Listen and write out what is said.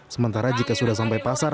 sementara jika sudah sampai pasar